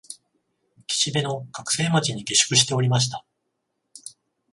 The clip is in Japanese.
岸辺の学生町に下宿しておりました